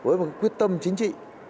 với một quyết tâm chính trị